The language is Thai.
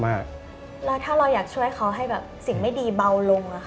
แล้วถ้าเราอยากช่วยเขาให้แบบสิ่งไม่ดีเบาลง